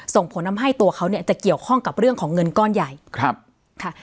ส่งผลทำให้ตัวเขาเนี่ยจะเกี่ยวข้องกับเรื่องของเงินก้อนใหญ่ครับค่ะ